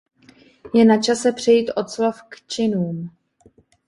Je načase přejít od slov k činům.